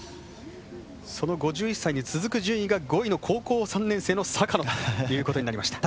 その５１歳に続く順位が５位の高校３年生の坂野ということになりました。